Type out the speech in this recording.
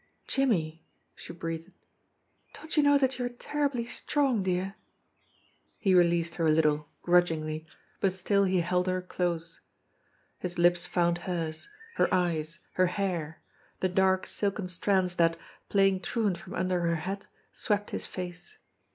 "Jimmie," she breathed, "don't you know that you are ter ribly strong, dear ?" He released her a little, grudgingly, but still he held her close. His lips found hers, her eyes, her hair the dark silken strands that, playing truant from under her hat, swept his face.